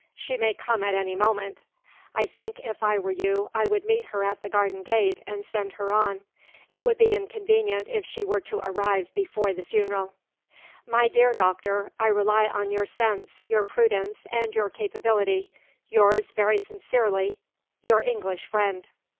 She may come at any moment. I think if I were you I would meet her at the garden gate and send her on. It would be inconvenient if she were to arrive before the funeral. "My dear doctor, I rely on your sense, your prudence, and your capability. Yours very sincerely, "Your ENGLISH FRIEND."